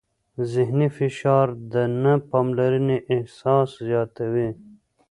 ذهني فشار د نه پاملرنې احساس زیاتوي.